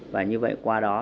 và như vậy qua đó